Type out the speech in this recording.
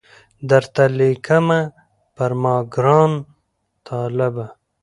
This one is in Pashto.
درته لیکمه پر ما ګران طالبه